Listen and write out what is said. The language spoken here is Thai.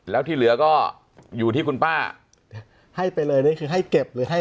แล้วที่เหลือก็อยู่ที่คุณป้าให้ไปเลยนี่คือให้เก็บหรือให้